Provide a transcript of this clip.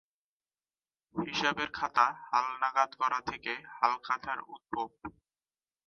হিসাবের খাতা হাল নাগাদ করা থেকে "হালখাতা"-র উদ্ভব।